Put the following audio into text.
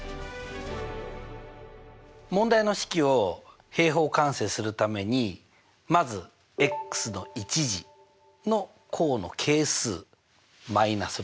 問題の式を平方完成するためにまずの１次の項の係数−６ねこの−６に注目します。